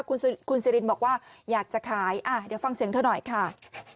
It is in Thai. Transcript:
คุณสิคุณสิรินบอกว่าอยากจะขายอ่ะเดี๋ยวฟังเสียงเท่าหน่อยค่ะ